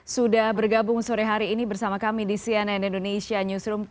sudah bergabung sore hari ini bersama kami di cnn indonesia newsroom